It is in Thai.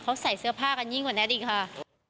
เขาใส่เสื้อผ้ากันยิ่งกว่านั้นอีกค่ะ